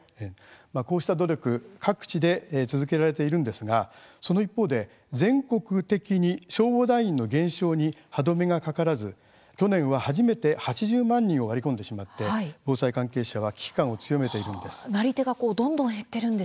こうした努力各地で続けられているんですがその一方で、全国的に消防団員の減少に歯止めがかからず去年は、初めて８０万人を割り込んでしまって防災関係者は危機感を強めているんです。